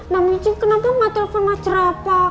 mbak mici kenapa enggak telepon mas rapa